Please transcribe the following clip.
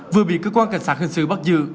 vừa bị cơ quan cảnh sát hình sự bắt giữ